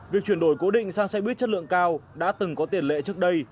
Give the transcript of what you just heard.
việc chuyển đổi cố định sang xe buýt chất lượng cao đã từng có tiền lệ trước đây